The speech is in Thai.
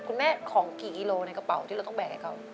คุณแม่ของกี่กิโลในกระเป๋าที่เราต้องแบกให้เขา